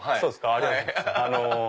ありがとうございます。